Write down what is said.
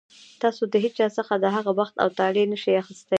تاسو د هېچا څخه د هغه بخت او طالع نه شئ اخیستلی.